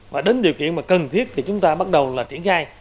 và đến điều kiện cần thiết thì chúng ta bắt đầu triển khai